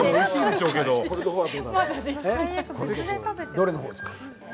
どれの方ですか？